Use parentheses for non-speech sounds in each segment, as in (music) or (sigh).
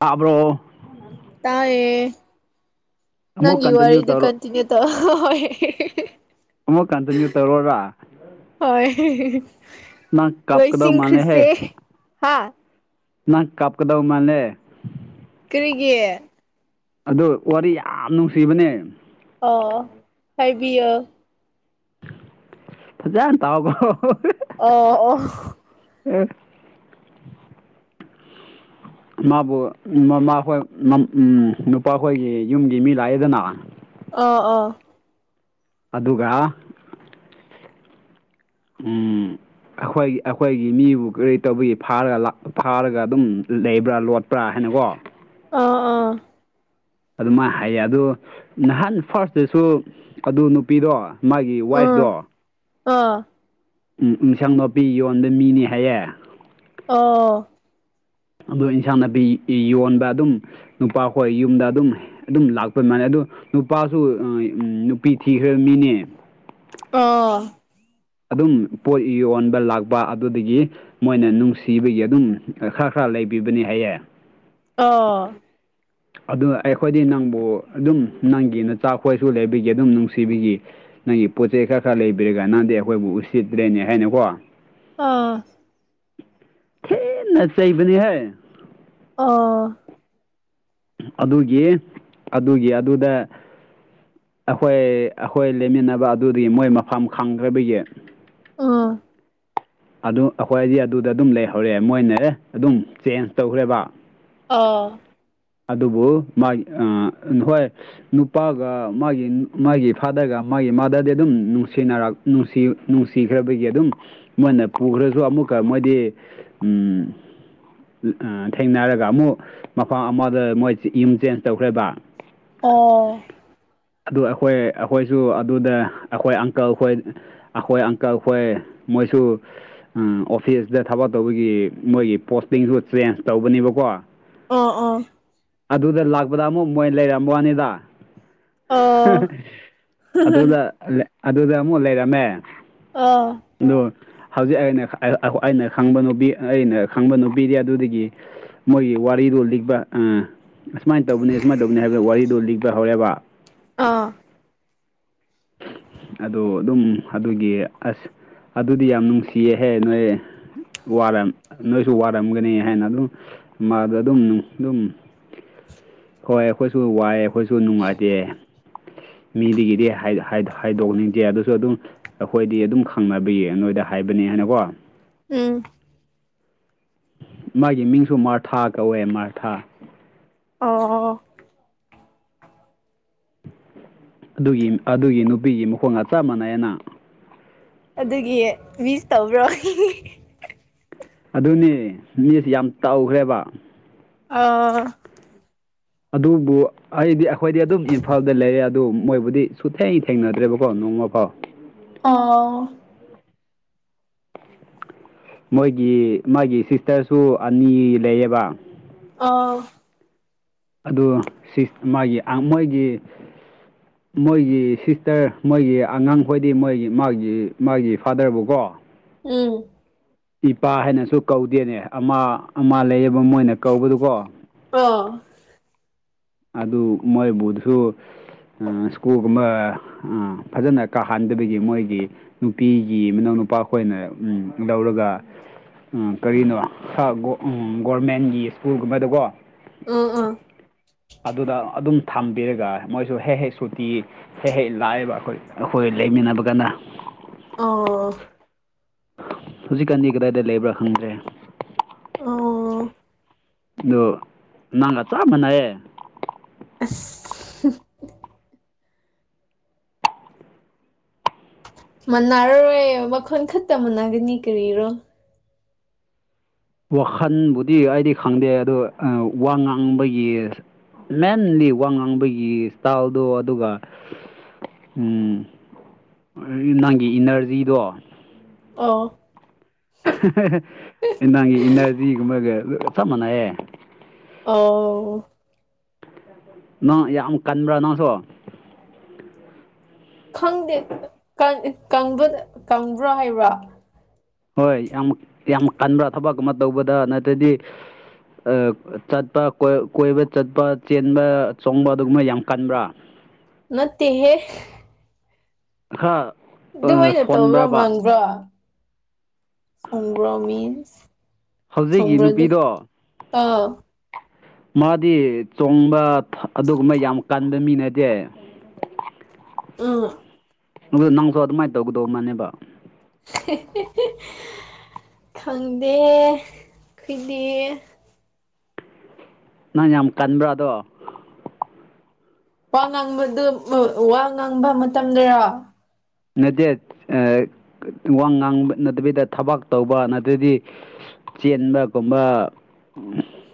ꯇꯥꯕ꯭ꯔꯣ ꯇꯌꯦ ꯑꯃꯨꯛ ꯅꯪ ꯏ ꯋꯥꯔ ꯀꯟꯇꯤꯅ꯭ꯌꯨ ꯏ ꯇꯧꯔꯣ ꯀꯟꯇꯤꯅ꯭ꯌꯨ ꯇꯧ ꯍ ꯑꯃꯨꯛ ꯀꯟꯇꯤꯅ꯭ꯨ ꯇꯧꯔꯣꯔ ꯍꯣꯏ ꯀꯥꯞꯀꯗꯧ ꯂꯣꯏꯁꯤꯟꯈ꯭ꯔꯁꯦ ꯃꯥꯜꯂꯦꯍꯦ ꯍꯥ ꯅꯪ ꯀꯥꯞꯀꯗꯧ ꯃꯥꯜꯂꯦ ꯀꯔꯤꯒꯤꯦ ꯑꯗꯨ ꯋꯥꯔꯤ ꯌꯥꯝ ꯅꯨꯡꯁꯤꯕꯅꯦ ꯑꯣ ꯍꯥꯏꯥꯏꯕꯤꯌ ꯐꯖꯍ ꯇꯥꯎꯕ ꯑ ꯑꯣ ꯎꯝ ꯃꯥꯕꯨ ꯃꯃꯥꯈꯣꯏ ꯎ ꯅꯨꯄꯥꯈꯣꯏꯒꯤ ꯌꯨꯝꯒꯤ ꯃꯤ ꯂꯥꯛꯑꯦꯗꯅ ꯑ ꯑꯥ ꯑꯗꯨꯒ ꯎꯝ ꯑꯩꯈꯣꯏꯒꯤ ꯑꯩꯈꯣꯏꯒꯤ ꯃꯤꯕꯨ ꯀꯔꯤ ꯇꯧꯕꯒꯤ ꯐꯥꯔꯒ ꯐꯥꯔꯒ ꯑꯗꯨꯝ ꯂꯩꯕ꯭ꯔꯥ ꯂꯣꯠꯄ꯭ꯔꯥ ꯍꯥꯏꯅ ꯕꯣ ꯑꯣ ꯑꯣ ꯑꯣ ꯑꯗꯨꯃꯥꯏꯅ ꯍꯥꯏꯌꯦ ꯑꯗꯨ ꯅꯍꯥꯟ ꯐꯥꯔꯁꯇꯁꯨ ꯑꯗꯨ ꯅꯨꯄꯤꯗꯣ ꯃꯥꯒꯤ ꯋꯥꯏꯐꯇꯣ ꯎꯝ ꯑꯥ ꯎꯝ ꯏꯟꯁꯥꯡ ꯅꯥꯄꯤ ꯌꯣꯟꯕ ꯃꯤꯅꯤ ꯍꯥꯏꯌꯦ ꯑ ꯑ ꯏꯟꯁꯥꯡ ꯅꯥꯄꯤ ꯌꯣꯟꯕ ꯑꯗꯨꯝ ꯅꯨꯄꯥꯈꯣꯏ ꯌꯨꯝꯗ ꯑꯗꯨꯝ ꯑꯗꯨꯝ ꯂꯥꯛꯄ ꯃꯅ ꯑꯗꯨ ꯅꯨꯄꯥꯁꯨ ꯎ ꯅꯨꯄꯤ ꯊꯤꯈ꯭ꯔꯕ ꯃꯤꯅꯦ ꯑ ꯑꯗꯨꯝ ꯄꯣꯠ ꯌꯣꯟꯕ ꯂꯥꯛꯄ ꯑꯗꯨꯗꯒꯤ ꯃꯣꯏꯅ ꯅꯨꯡꯁꯤꯕꯒꯤ ꯑꯗꯨꯝ ꯈꯔ ꯈꯔ ꯂꯩꯕꯤꯕꯅꯤ ꯍꯥꯏꯌꯦ ꯑ ꯑꯗꯨ ꯑꯩꯈꯣꯏꯗꯤ ꯅꯪꯕꯨ ꯑꯗꯨꯝ ꯅꯪꯒꯤ ꯅꯆꯥꯥꯛ ꯈꯣꯏꯁꯨ ꯂꯩꯕꯤꯒꯤ ꯑꯗꯨꯝ ꯅꯨꯡꯁꯤꯕꯤꯈꯤ ꯅꯪꯒꯤ ꯄꯣꯠ ꯆꯩ ꯈꯔ ꯈꯔ ꯂꯩꯕꯤꯔꯒ ꯅꯪꯗꯤ ꯑꯩꯈꯣꯏꯕꯨ ꯎꯠꯁꯤꯠꯇ꯭ꯔꯦꯅꯦ ꯍꯥꯏꯅꯀꯣ ꯑꯥ ꯍ ꯅꯆꯩꯕꯅꯤ ꯍꯥꯏ ꯑꯥ ꯑꯗꯨꯒꯤ ꯑꯗꯨꯒꯤ ꯑꯗꯨꯗ ꯑꯩꯈꯣꯏ ꯑꯩꯈꯣꯏ ꯂꯦꯃꯤꯟꯅꯕ ꯑꯗꯨꯗꯤ ꯃꯣꯏ ꯃꯐꯝ ꯈꯪꯗ꯭ꯔꯕꯒꯤ ꯑꯥ ꯑꯗꯨ ꯑꯩꯈꯣꯏꯗꯤ ꯑꯗꯨꯗ ꯑꯗꯨꯝ ꯂꯩꯍꯧꯔꯦ ꯃꯣꯏꯅꯦ ꯑꯗꯨꯝ ꯆꯦꯟꯖ ꯇꯧꯈ꯭ꯔꯦꯕ ꯑꯥ ꯑꯗꯨꯕꯨ ꯃꯥꯒꯤ ꯍꯣꯏ ꯅꯨꯄꯥꯒ ꯃꯥꯒꯤ ꯃꯥꯒꯤ ꯐꯥꯗꯔꯒ ꯃꯥꯒꯤ ꯃꯥꯗꯗꯤ ꯑꯗꯨꯝ ꯅꯨꯡꯁꯤꯅꯔ ꯅꯨꯡ ꯅꯨꯡꯁꯤꯈ꯭ꯔꯕꯒꯤ ꯑꯗꯨꯝ ꯃꯣꯏꯅ ꯄꯨꯈ꯭ꯔꯁꯨ ꯑꯃꯨꯛ ꯑꯗꯨꯒ ꯃꯣꯏꯗꯤ ꯊꯦꯡꯅꯔꯒ ꯑꯃꯨꯛ ꯃꯐꯝ ꯑꯃ ꯑꯗ ꯃꯣꯏ ꯌꯨꯝ ꯆꯦꯟꯖ ꯇꯧꯈ꯭ꯔꯦꯕ ꯑꯣ ꯑꯗꯨ ꯑꯩꯈꯣꯏ ꯑꯩꯈꯣꯏꯁꯨ ꯑꯗꯨꯗ ꯑꯩꯈꯣꯏ ꯑꯪꯀꯜ ꯈꯣꯏ ꯑꯩꯈꯣꯏ ꯑꯪꯀꯜ ꯈꯣꯏ ꯃꯣꯏꯁꯨ ꯑꯣꯐꯤꯁꯇ ꯊꯕꯛ ꯇꯧꯕꯒꯤ ꯃꯣꯏꯒꯤ ꯄꯣꯁꯇꯤꯡꯁꯨ ꯆꯦꯟꯖ ꯇꯧꯕꯅꯦꯕꯀꯣ ꯑꯥ ꯑꯥ ꯑꯗꯨꯗ ꯂꯥꯛꯄꯗ ꯑꯃꯨꯛ ꯃꯣꯏ ꯂꯩꯔꯝꯕ ꯋꯥꯅꯤꯗ ꯑꯣ ꯑꯗꯨꯗ ꯑꯗꯨꯗ ꯑꯃꯨꯛ ꯂꯩꯔꯝꯃꯦ ꯑꯥ ꯑꯗꯨ ꯍꯧꯖꯤꯛ ꯑꯩꯅ ꯑꯩꯅ ꯈꯪꯕ ꯅꯨꯄꯤ ꯑꯩꯅ ꯈꯪꯕ ꯅꯨꯄꯤꯗꯤ ꯑꯗꯨꯗꯒꯤ ꯃꯣꯏꯒꯤ ꯋꯥꯔꯤ ꯗꯣ ꯂꯤꯛꯄ ꯎ ꯑꯁꯨꯃꯥꯏꯅ ꯇꯧꯕꯅꯤ ꯑꯁꯨꯃꯥꯏꯅ ꯇꯧꯕꯅꯤ ꯍꯥꯏꯕꯗ ꯋꯥꯔꯤꯗꯣ ꯂꯤꯛꯄ ꯍꯧꯔꯦꯕ ꯑꯥ (unintelligible) ꯑꯣ ꯑꯗꯨꯝ ꯑꯗꯨꯒꯤ ꯑꯁ ꯑꯗꯨꯗꯤ ꯌꯥꯝ ꯅꯨꯡꯁꯤꯌꯦꯍꯦ ꯅꯣꯏ ꯋꯥꯔꯝ ꯅꯣꯏꯁꯨ ꯋꯥꯔꯝꯒꯅꯤ ꯍꯥꯏꯅ ꯑꯗꯨꯝ ꯃꯥꯗ ꯑꯗꯨꯝ ꯑꯗꯨꯝ (unintelligible) ꯍꯣꯏ ꯑꯩꯈꯣꯏꯁꯨ ꯋꯥꯏꯑꯦ ꯑꯩꯈꯣꯏꯁꯨ ꯅꯨꯡꯉꯥꯏꯇꯦ ꯃꯤꯗꯒꯤꯗꯤ ꯍꯥꯏ ꯍꯥꯏꯗꯣꯛꯅꯤꯡꯗꯦ ꯑꯗꯨꯁꯨ ꯑꯗꯨꯝ ꯑꯩꯈꯣꯏꯗꯤ ꯑꯗꯨꯝ ꯈꯪꯅꯕꯌꯦ ꯅꯣꯏꯗ ꯍꯥꯏꯕꯅꯤ ꯍꯥꯏꯅꯀꯣ ꯎꯝ ꯃꯥꯒꯤ ꯃꯤꯡꯁꯨ ꯃꯥꯔꯊꯥ ꯀꯧꯋꯦ ꯃꯥꯔꯊꯥ ꯑꯣ ꯑꯗꯨꯒꯤ ꯑꯗꯨꯒꯤ ꯅꯨꯄꯤꯒꯤ ꯃꯈꯣꯡꯒ ꯆꯞ ꯃꯥꯟꯅꯩꯅ ꯑꯗꯨꯒꯤ ꯃꯤꯁ ꯇꯧꯕ꯭ꯔꯣ ꯑꯗꯨꯅꯦ ꯃꯤꯁ ꯌꯥꯝ ꯇꯧꯈ꯭ꯔꯦꯕ ꯑ ꯑꯗꯨꯕꯨ ꯑꯩꯗꯤ ꯑꯩꯈꯣꯏꯗꯤ ꯑꯗꯨꯝ ꯏꯝꯐꯥꯜꯗ ꯂꯩꯔꯦ ꯑꯗꯨ ꯃꯣꯏꯕꯨꯗꯤ ꯁꯨ ꯊꯦꯡ ꯊꯦꯡꯅꯗ꯭ꯔꯦꯕꯀꯣ ꯅꯣꯡ ꯃꯄꯥꯎ ꯑꯥ ꯃꯣꯏꯒꯤ ꯃꯥꯒꯤ ꯁꯤꯁꯇꯔꯁꯨ ꯑꯅꯤ ꯂꯩꯌꯦꯕ ꯑꯥꯎ ꯑꯗꯨ ꯃꯥꯒꯤ ꯃꯣꯏꯒꯤ ꯃꯣꯏꯒꯤ ꯁꯤꯁꯇꯔ ꯃꯣꯏꯒꯤ ꯑꯉꯥꯡꯈꯣꯏꯗꯤ ꯃꯣꯏꯒꯤ ꯃꯥꯒꯤ ꯃꯥꯒꯤ ꯐꯥꯗꯔꯕꯨꯀꯣ ꯎꯝ ꯏꯄꯥ ꯍꯥꯏꯅꯁꯨ ꯀꯧꯗꯦꯅꯦ ꯑꯃ ꯑꯃ ꯂꯩ ꯑꯗꯨꯅ ꯀꯧꯕꯗꯨꯀꯣ ꯑ ꯑꯗꯨ ꯃꯣꯏ ꯣꯙꯨ ꯁ꯭ꯀꯨꯜꯒꯨꯝꯕ ꯐꯖꯅ ꯀꯥꯍꯟꯗꯕꯒꯤ ꯃꯣꯏꯒꯤ ꯅꯨꯄꯤꯒꯤ ꯃꯅꯥꯎ ꯅꯨ ꯅꯨꯄꯥ ꯑꯩꯈꯣꯏꯅ ꯂꯧꯔꯒ ꯎꯝ ꯀꯔꯤꯅꯣ ꯒꯣꯔꯃꯦꯟꯒꯤ ꯁ꯭ꯀꯨꯜꯒꯨꯝꯕꯗꯀꯣ ꯑ ꯑꯥ ꯑꯗꯨꯗ ꯑꯗꯨꯝ ꯊꯝꯕꯤꯔꯒ ꯃꯣꯏꯁꯨ ꯍꯦꯛ ꯍꯦꯛ ꯁꯨꯇꯤ ꯍꯦꯛ ꯍꯦꯛ ꯂꯥꯛꯕ ꯑꯩꯈꯣꯏ ꯑꯩꯈꯣꯏ ꯂꯩꯃꯤꯟꯅꯕꯒꯅ ꯑ ꯍꯧꯖꯤꯛꯀꯥꯟꯗꯤ ꯀꯗꯥꯏꯗ ꯂꯩꯕ꯭ꯔꯥ ꯈꯪꯗ꯭ꯔꯦ ꯑ ꯑꯗꯣ ꯅꯪꯒ ꯆꯥꯕꯅꯌꯦ ꯑꯁ ꯃꯅꯔꯔꯣꯏ ꯃꯈꯜ ꯈꯛꯇ ꯃꯥꯟꯅꯒꯅꯤ ꯀꯔꯤꯔꯣ ꯋꯥꯈꯜꯕꯨꯗꯤ ꯑꯩꯗꯤ ꯈꯪꯗꯦ ꯑꯗꯣ ꯋꯥ ꯉꯥꯡꯕꯒꯤ ꯃꯦꯟꯂꯤ ꯋꯥ ꯉꯥꯡꯕꯒꯤ ꯏꯁꯇꯥꯏꯜꯗꯣ ꯑꯗꯨꯒ ꯎꯝ ꯅꯪꯒꯤ ꯏꯅꯔꯖꯤꯗꯣ ꯑ ꯑꯦꯟꯗꯥꯪꯒꯤ ꯏꯅꯔꯖꯤꯒꯨꯝꯕꯒ ꯆꯞ ꯃꯥꯟꯅꯩꯌꯦ ꯑꯥꯎ ꯅꯪ ꯌꯥꯝ ꯀꯟꯕ꯭ꯔꯥ ꯅꯪꯁꯨ ꯈꯪꯗꯦꯕ ꯀꯪꯕ꯭ꯔꯥ ꯍꯥꯏꯕ꯭ꯔꯥ ꯍꯣꯏ ꯌꯥꯝ ꯌꯥꯝ ꯀꯟꯕ꯭ꯔꯥ ꯊꯕꯛ ꯑꯃ ꯇꯧꯕꯗ ꯅꯠꯇ꯭ꯔꯗꯤ ꯆꯠꯄ ꯀꯣꯏꯕ ꯆꯠꯄ ꯆꯦꯟꯕ ꯆꯣꯡꯕ ꯑꯗꯨꯒꯨꯝꯕ ꯌꯥꯝ ꯀꯟꯕ꯭ꯔꯥ ꯅꯠꯇꯦꯍꯦ ꯍꯥ ꯑꯗꯨꯃꯥꯏꯅ ꯇꯧꯕ꯭ꯔꯥ ꯃꯥꯡꯕ꯭ꯔꯣ ꯁꯣꯡꯕ꯭ꯔꯣ ꯃꯤꯟꯁ ꯍꯧꯖꯤꯛꯒꯤ ꯁꯣꯡꯕ꯭ꯔꯣꯗꯨ ꯅꯨꯄꯤꯗꯣ ꯑꯥ ꯃꯥꯗꯤ ꯆꯣꯡꯕ ꯑꯗꯨꯒꯨꯝꯕ ꯌꯥꯝ ꯀꯟꯕ ꯃꯤ ꯅꯠꯇꯦ ꯑ ꯅꯪꯁꯨ ꯑꯗꯨꯃꯥꯏꯅ ꯇꯧꯒꯗꯧ ꯃꯥꯅꯦꯕ (unintelligible) ꯈꯪꯗꯦ ꯀꯨꯏꯗꯦ ꯅꯪ ꯌꯥꯝ ꯀꯟꯕ꯭ꯔꯥꯗꯣ ꯋꯥ ꯉꯥꯡꯕꯗꯨ ꯋꯥ ꯉꯥꯡꯕ ꯃꯇꯝꯗꯔꯣ ꯅꯠꯇꯦꯠ ꯋꯥ ꯉꯥꯡꯕ ꯅꯠꯇꯕꯤꯗ ꯊꯕꯥꯛ ꯇꯧꯕ ꯅꯠꯇ꯭ꯔꯗꯤ ꯆꯦꯟꯕꯒꯨꯝꯕ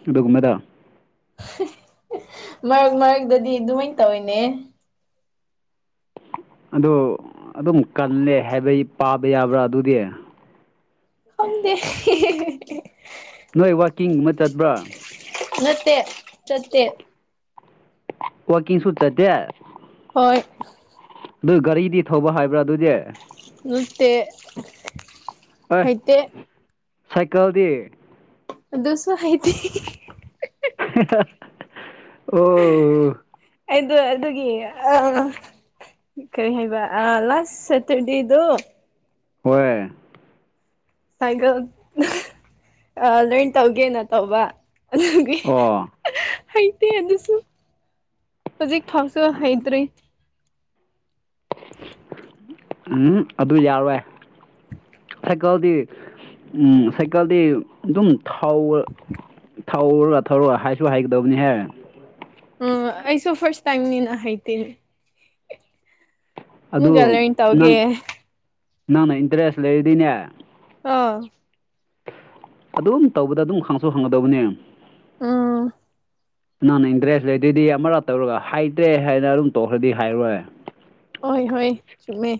ꯑꯗꯨꯒꯨꯝꯕꯗ ꯃꯔꯛ ꯃꯔꯛꯇꯗꯤ ꯑꯗꯨꯃꯥꯢꯅ ꯇꯧꯋꯤꯅꯦ ꯑꯗꯨ ꯑꯗꯨꯝ ꯀꯜꯂꯦ ꯍꯥꯏꯕꯩ ꯄꯥꯕ ꯌꯥꯕ꯭ꯔꯥ ꯑꯗꯨꯗꯤ ꯈꯪꯗꯦ ꯅꯣꯏ ꯋꯥꯛꯀꯤꯡ ꯑꯃ ꯆꯠꯄ꯭ꯔꯥ ꯅꯠꯇꯦ ꯆꯠꯇꯦ ꯋꯥꯀꯤꯡ ꯁꯨ ꯆꯠꯇꯦ ꯍꯣꯏ ꯑꯗꯨ ꯒꯥꯔꯤꯗꯤ ꯊꯧꯕ ꯍꯥꯏꯕ꯭ꯔꯥ ꯑꯗꯨꯗꯤ ꯂꯠꯇꯦ ꯑꯦ ꯍꯩꯇꯦ ꯁꯥꯏꯀꯜꯗꯤ ꯁꯨꯣ ꯍꯥꯏꯥꯏꯗꯤ ꯑꯣ ꯑꯩꯗꯣ ꯑꯗꯨꯒꯤ ꯑ ꯀꯔꯤ ꯍꯥꯏꯕ ꯑ ꯂꯥꯁ ꯁꯇꯔꯗꯦꯗꯨ ꯍꯣꯏꯣꯏ ꯁꯥꯏꯒꯣꯜ ꯂꯔꯟ ꯇꯧꯒꯦꯅ ꯇꯧꯕ ꯑꯗꯨꯒꯤ ꯑ ꯍꯩꯇꯦ ꯑꯗꯨꯁꯨ ꯍꯧꯖꯤꯛ ꯐꯥꯎꯁꯨ ꯍꯩꯇ꯭ꯔꯤ ꯎꯝ ꯑꯗꯨ ꯌꯥꯔꯣꯏ ꯁꯥꯏꯀꯜꯗꯤ ꯁꯥꯏꯀꯜꯗꯤ ꯑꯗꯨꯝ ꯊꯥꯎ ꯊꯧꯔ ꯊꯧꯔꯒ ꯍꯩꯁꯨ ꯍꯩꯒꯗꯕꯅꯤꯍꯦ ꯎꯝ ꯑꯩꯁꯨ ꯐꯁ ꯇꯥꯏꯝꯅꯤꯅ ꯍꯩꯇꯦꯅꯦ ꯃꯒꯂ ꯑꯗꯨ ꯏꯇꯥꯎꯒꯦ ꯅꯪ (inaudible) ꯅꯪꯅ ꯏꯟꯇꯔꯦꯁ ꯂꯩꯔꯗꯤꯅꯦ ꯑꯥ ꯑꯗꯨꯝ ꯇꯧꯕꯗ ꯑꯗꯨꯝ ꯍꯪꯁꯨ ꯍꯪꯒꯗꯧꯕꯅꯦ ꯎꯝ ꯅꯪꯅ ꯏꯟꯇꯔꯦꯁ ꯂꯩꯗꯗꯤ ꯑꯃꯔꯥ ꯇꯧꯔꯒ ꯍꯥꯏꯇ꯭ꯔꯦ ꯍꯥꯏꯅ ꯑꯗꯨꯝ ꯇꯣꯛꯈ꯭ꯔꯗꯤ ꯍꯥꯏꯔꯣꯏ ꯍꯣꯏ ꯍꯣꯏ ꯆꯨꯝꯃꯦ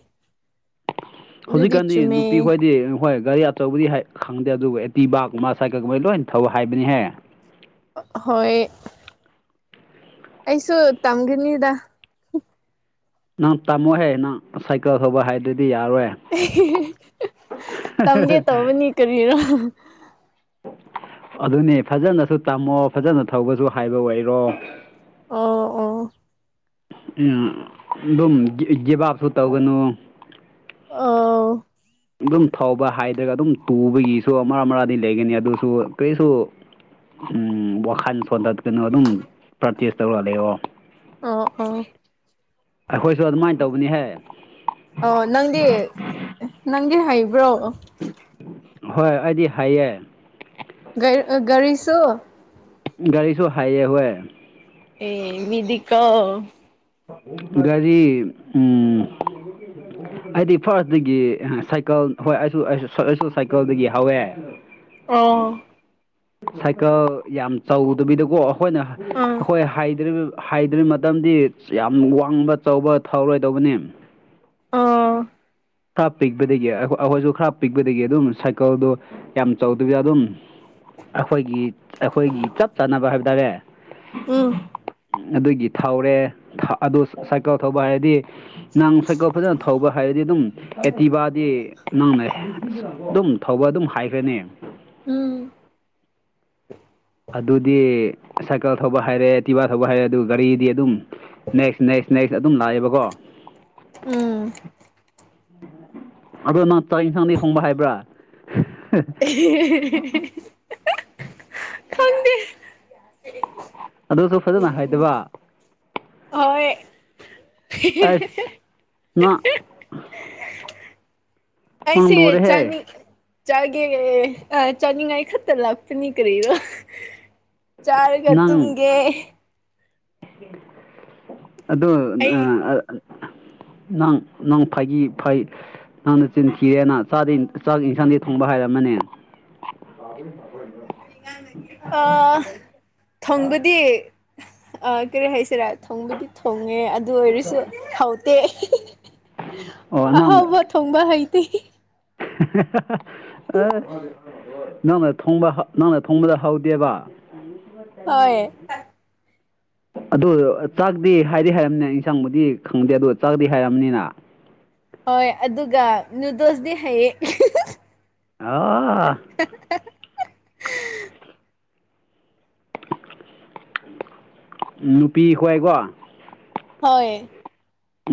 ꯑꯗꯨꯗꯤ ꯍꯧꯖꯤꯛꯀꯥꯟꯗꯤ ꯆꯨꯝꯃꯦ ꯅꯨꯄꯤ ꯈꯣꯏꯗꯤ ꯍꯣꯏ ꯒꯥꯔꯤ ꯑꯆꯧꯕꯗꯤ ꯈꯪꯗꯦ ꯑꯗꯨꯒ ꯑꯦꯇꯤꯕꯥꯀꯨꯝꯃ ꯁꯥꯏꯀꯜ ꯀꯨꯝꯕꯩ ꯂꯣꯏꯅ ꯊꯧ ꯍꯥꯏꯕꯅꯤꯍꯦ ꯍꯣꯏ ꯑꯩꯁꯨ ꯇꯝꯒꯅꯤꯗ ꯅꯪ ꯇꯥꯃꯣꯍꯦ ꯅꯪ ꯁꯥꯏꯀꯜ ꯊꯧꯕ ꯍꯥꯏꯗꯗꯤ ꯇꯝꯒꯦ ꯇꯧꯕꯅꯤ ꯀꯔꯤꯅꯣ ꯑꯗꯨꯅꯦ ꯐꯖꯅꯁꯨ ꯇꯝꯃꯣ ꯐꯖꯅ ꯊꯧꯕꯁꯨ ꯍꯥꯏꯕ ꯑꯣꯏꯔꯣ ꯑꯣ ꯑꯣ ꯎꯝ ꯑꯗꯨꯝ ꯒꯤꯕꯥꯞꯁꯨ ꯇꯧꯒꯅꯨ ꯑꯥꯎ ꯑꯗꯨꯝ ꯊꯧꯕ ꯍꯥꯏꯗ꯭ꯔꯒ ꯑꯗꯨꯝ ꯇꯨꯕꯒꯤꯁꯨ ꯃꯔꯥ ꯃꯔꯥꯡꯗꯤ ꯂꯩꯒꯅꯤ ꯑꯗꯨꯁꯨ ꯀꯔꯤꯁꯨ ꯎꯝ ꯋꯥꯈꯜ ꯁꯣꯟꯗꯀꯅꯣ ꯑꯗꯨꯝ ꯄ꯭ꯔꯦꯇꯤꯁ ꯇꯧꯔꯛꯂ ꯂꯩꯌꯣ ꯑ ꯑꯥꯎ ꯑꯩꯈꯣꯏꯁꯨ ꯑꯗꯨꯃꯥꯏꯅ ꯇꯧꯕꯅꯤꯍꯦ ꯑ ꯅꯪꯗꯤ ꯅꯪꯗꯤ ꯍꯩꯕ꯭ꯔꯣ ꯍꯣꯏ ꯑꯩꯗꯤ ꯍꯥꯏꯌꯦ ꯀꯔꯤꯁꯨ ꯒꯥꯔꯤꯁꯨ ꯍꯩꯑꯦ ꯍꯣꯢ ꯑꯦ ꯃꯤꯗꯤꯀꯣ ꯒꯔꯤ ꯎꯝ (inaudible) ꯑꯩꯗꯤ ꯐꯥꯔꯁꯇꯒꯤ ꯁꯥꯏꯀꯜ ꯍꯣꯏ ꯑꯩꯁꯨ ꯑꯩꯁꯨ ꯁꯥꯏꯀꯜꯗꯒꯤ ꯍꯧꯋꯦ ꯑꯥꯎ ꯁꯥꯏꯀꯜ ꯌꯥꯝ ꯆꯥꯎꯗꯕꯤꯗꯀꯣ ꯑꯩꯈꯣꯏꯅ ꯑꯥ ꯑꯩꯈꯣꯏ ꯍꯥꯏꯗꯔꯤꯕ ꯍꯥꯏꯗ꯭ꯔꯤ ꯃꯇꯝꯗꯤ ꯌꯥꯝ ꯋꯥꯡꯕ ꯆꯥꯎꯕ ꯊꯧꯔꯣꯏꯗꯧꯕꯅꯤ ꯑꯣ ꯈꯔ ꯄꯤꯛꯄꯗꯒꯤ ꯑꯩꯈꯣꯏꯁꯨ ꯈꯔ ꯄꯤꯛꯄꯗꯒꯤ ꯑꯗꯨꯝ ꯁꯥꯏꯀꯜꯗꯣ ꯌꯥꯝ ꯆꯥꯎꯧꯗꯕꯤꯗ ꯑꯗꯨꯝ ꯑꯩꯈꯣꯏꯒꯤ ꯑꯩꯈꯣꯏꯒꯤ ꯆꯞ ꯆꯥꯅꯕ ꯍꯥꯏꯕ ꯇꯥꯔꯦ ꯑꯥ ꯑꯗꯨꯒꯤ ꯊꯧꯔꯦ ꯑꯗꯨ ꯁꯥꯏꯀꯜ ꯊꯧꯕ ꯍꯥꯏꯔꯗꯤ ꯅꯥꯡ ꯁꯥꯏꯀꯜ ꯐꯖꯅ ꯊꯧꯕ ꯍꯥꯏꯔꯗꯤ ꯑꯗꯨꯝ ꯑꯦꯇꯤꯚꯗꯤ ꯅꯪꯅ ꯑꯗꯨꯝ ꯊꯧꯕ ꯑꯗꯨꯝ ꯍꯥꯏꯈ꯭ꯔꯅꯤ ꯎꯝ ꯑꯗꯨꯗꯤ ꯁꯥꯏꯀꯜ ꯊꯧꯕ ꯍꯥꯏꯔꯦ ꯇꯤꯚꯥ ꯊꯧꯕ ꯍꯥꯏꯔꯦ ꯑꯗꯨꯒ ꯒꯥꯔꯤꯗꯤ ꯑꯗꯨꯝ ꯅꯦꯛꯁ ꯅꯦꯛꯁ ꯅꯦꯛꯁ ꯑꯗꯨꯝ ꯂꯥꯛꯑꯦꯕꯀꯣ ꯎꯝ ꯑꯗꯣ ꯅꯪ ꯆꯛ ꯏꯟꯁꯥꯡꯗꯤ ꯊꯣꯡꯕ ꯍꯩꯕ꯭ꯔꯥ ꯈꯪꯗꯦ ꯑꯗꯨꯁꯨ ꯐꯖꯅ ꯍꯩꯗꯕ ꯍꯣꯏ ꯑꯁ ꯅꯪ ꯅꯪ ꯑꯩꯁꯦ ꯂꯨꯔꯦꯍꯦ ꯆꯅꯤ ꯆꯥꯒꯦ ꯑꯥ ꯆꯥꯅꯤꯡꯉꯥꯏ ꯈꯛꯇꯔ ꯂꯥꯛꯄꯅꯤ ꯀꯔꯤꯅꫭ ꯆꯥꯔꯒ ꯇꯨꯝꯒꯦ ꯑꯗꯣ ꯑꯩ ꯑꯥ (unintelligible) ꯅꯪ ꯅꯪ ꯐꯩꯒꯤ ꯐꯩ ꯅꯪꯅ ꯆꯤꯟꯈꯤꯔꯦꯅ ꯆꯥꯛ ꯌꯦꯟꯁꯥꯡꯗꯤ ꯊꯣꯡꯕ ꯍꯥꯏꯔꯝꯃꯅꯦ ꯎꯝ ꯈ ꯑ ꯊꯣꯡꯕꯗꯤ ꯀꯔꯤ ꯍꯥꯏꯁꯤꯔꯥ ꯊꯣꯡꯕꯗꯤ ꯊꯣꯡꯉꯦ ꯑꯗꯨ ꯑꯣꯏꯔꯁꯨ ꯊꯧꯎꯇꯦ ꯑꯣ ꯅꯪ ꯑꯍꯥꯎꯕ ꯊꯣꯡꯕ ꯍꯩꯇꯦ ꯅꯪꯅ ꯊꯣꯡꯕ ꯅꯪꯅ ꯊꯣꯡꯕꯗ ꯍꯥꯎꯗꯦꯕ ꯎꯝ ꯍ ꯇꯅꯤ ꯍꯥꯏ (unintelligible) ꯑꯗꯨ ꯆꯥꯛꯗꯤ ꯍꯥꯏꯗꯤ ꯍꯥꯏꯔꯕꯝꯅꯤꯅ ꯏꯟꯁꯥꯡꯕꯨꯗꯤ ꯈꯪꯗꯦ ꯑꯗꯨ ꯆꯥꯛꯗꯤ ꯍꯥꯏꯔꯝꯅꯤꯅ ꯍꯣꯏ ꯑꯗꯨꯒ ꯅꯨꯨꯗꯁꯗꯤ ꯍꯩꯌꯦ ꯑꯣ ꯅꯨꯄꯤ ꯍꯣꯏꯒꯣ ꯍꯣꯏ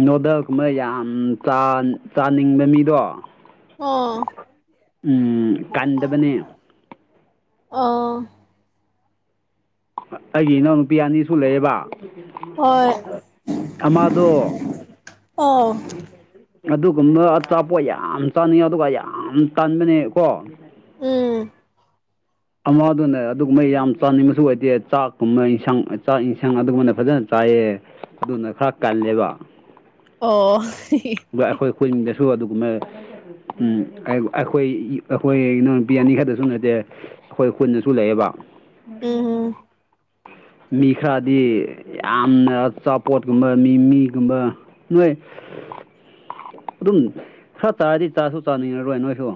ꯅꯣꯗꯜ ꯀꯨꯝꯕ ꯌꯥꯝ ꯆꯥꯅꯤꯡꯕ ꯃꯤꯗꯣ ꯑꯣ ꯎꯝ ꯀꯟꯗꯕꯅꯦ ꯑꯥ ꯑꯩꯒꯤ ꯏꯅꯥꯎ ꯅꯨꯄꯤ ꯑꯅꯤ ꯁ ꯂꯩꯌꯦꯕ ꯍꯣꯏ ꯑꯃꯥꯗ ꯑꯣ ꯑꯗꯨꯒꯨꯝꯕ ꯑꯆꯥꯄꯣꯠ ꯌꯥꯝ ꯆꯥꯅꯤꯡ ꯑꯗꯨꯒ ꯌꯥꯝ ꯇꯥꯟꯕꯅꯦ ꯀꯣ ꯎꯝ ꯑꯃꯗꯨꯅ ꯑꯗꯨꯒꯨꯝꯕ ꯌꯥꯝ ꯆꯥꯅꯤꯡꯕꯁꯨ ꯑꯣꯏꯗꯦ ꯆꯥꯛꯀꯨꯝꯕ ꯏꯟꯁꯥꯡ ꯆꯥꯛ ꯏꯟꯁꯥꯡ ꯑꯗꯨꯒꯨꯝꯕꯅ ꯐꯖꯅ ꯍꯥꯏꯥꯏꯑꯌꯦ ꯑꯗꯨꯅ ꯈꯔ ꯀꯜꯂꯦꯕ ꯑꯣ ꯑꯩꯈꯣꯏ ꯈꯨꯟꯗꯁꯨ ꯑꯗꯨ ꯎ ꯑꯩꯈꯣꯏ ꯑꯩꯈꯣꯏ ꯕꯤꯔꯌꯥꯅꯤ ꯈꯔꯛꯇꯁꯨ ꯅꯗꯦ ꯑꯩꯈꯣꯏ ꯈꯨꯨꯟꯗꯁꯨ ꯂꯩꯌꯦꯕ ꯎꯝ ꯃꯤ ꯈꯔꯗꯤ ꯌꯥꯝꯅ ꯑꯆꯥꯄꯣꯠꯀꯨꯝꯕ ꯃꯤ ꯃꯤꯒꯨꯝꯕ ꯅꯣꯏ (unintelligible) ꯑꯗꯨꯝ ꯈꯔ ꯇꯥꯔꯗꯤ ꯆꯥꯁꯨ ꯇꯥꯅꯤꯡꯉꯔꯣꯏ ꯅꯣꯏꯁꯨ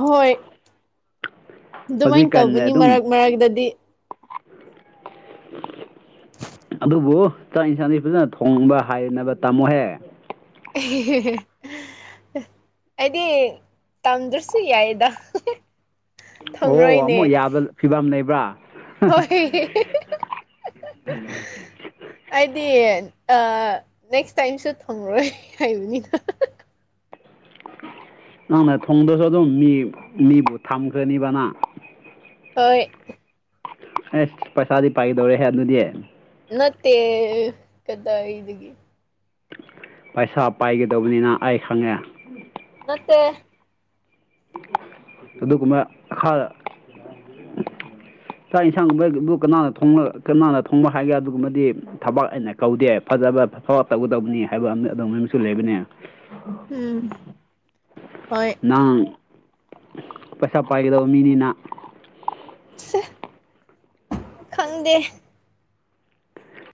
ꯍꯣꯏ ꯑꯗꯨꯃꯥꯏꯅ ꯍꯧꯖꯤꯛꯀꯥꯟꯅ ꯇꯧꯕꯅꯤ ꯑꯗꯨꯝ ꯃꯔꯛ ꯃꯔꯛꯇꯗꯤ (unintelligible) ꯑꯗꯨꯕꯨ ꯆꯥꯛ ꯌꯦꯟꯁꯥꯡꯁꯤ ꯐꯖꯅ ꯊꯣꯡꯕ ꯍꯥꯏꯅꯕ ꯇꯥꯝꯃꯣꯍꯦ (unintelligible) ꯑꯩꯗꯤ ꯇꯝꯗ꯭ꯔꯁꯨ ꯌꯥꯏꯗ ꯑꯣ ꯑꯃꯨꯛ ꯌꯥꯕ ꯐꯤꯕꯝ ꯂꯩꯕ꯭ꯔꯥ ꯍ ꯑꯗꯤ ꯗꯤ ꯑ ꯅꯦꯛꯁ ꯇꯥꯏꯝꯁꯨ ꯊꯪꯔꯣꯏ ꯍꯥꯏꯕꯅꯤꯅ ꯅꯪꯅ ꯊꯣꯡꯗꯁꯨ ꯑꯗꯨꯝ ꯃꯤ ꯃꯤꯕꯨ ꯊꯝꯈꯅꯤꯕ ꯅꯅꯥ ꯍꯣꯏ ꯑꯦꯁ ꯄꯩꯁꯥꯗꯤ ꯄꯥꯏꯒꯗꯧꯔꯦꯍꯦ ꯑꯗꯨꯗꯤ ꯅꯠꯇꯦ ꯀꯗꯥꯏꯗꯒꯤ ꯄꯩꯁꯥ ꯄꯥꯏꯒꯗꯧꯕꯅꯤꯅ ꯑꯩ ꯈꯪꯉꯦ ꯅꯠꯇꯦ꯫ ꯗꯨ ꯈꯥ (unintelligible) ꯆꯥꯛ ꯌꯦꯟꯁꯥꯡꯒꯨꯝꯕꯕꯨ ꯀꯅꯥꯅ ꯊꯣꯡ ꯀꯅꯥꯅ ꯊꯣꯡꯕ ꯍꯥꯏꯒꯦ ꯑꯗꯨꯒꯨꯝꯕꯗꯤ ꯊꯕꯛ ꯑꯩꯅ ꯀꯧꯗꯦ ꯐꯖꯅ ꯐ ꯇꯧꯒꯗꯧꯕꯅꯤ ꯍꯥꯏꯕ ꯑꯗꯨ ꯑꯃꯁꯨ ꯂꯩꯕꯅꯦ ꯎꯝ ꯍꯣꯏ ꯅꯪ ꯄꯩꯁꯥ ꯄꯥꯏꯒꯗꯧꯕ ꯃꯤꯅꯤꯅ ꯈꯪꯗꯦ